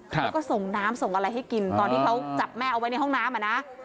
แล้วก็ส่งน้ำส่งอะไรให้กินตอนที่เขาจับแม่เอาไว้ในห้องน้ำอ่ะนะ